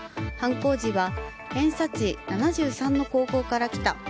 犯行時は偏差値７３の高校から来た。